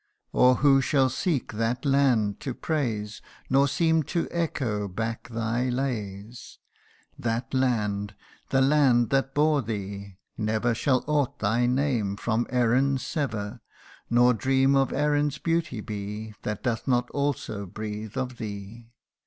Or who shall seek that land to praise, Nor seem to echo back thy lays ? That land, " the land that bore thee;" never Shall aught thy name from Erin's sever Nor dream of Erin's beauty be, That doth not also breathe of thee.